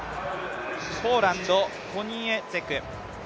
ポーランド、コニエツェク。